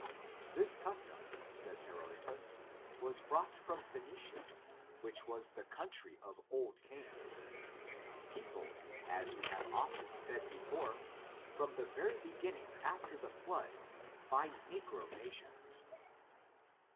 This custom, says Herodotus, was brought from Phoenicia, which was the country of old Canaan, peopled as we have often 196 ORIGIN, CHARACTER, AMD said before, from the very beginning after the flood, by negro nations.